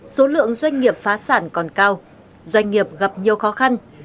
số lượng doanh nghiệp phá sản còn cao doanh nghiệp gặp nhiều khó khăn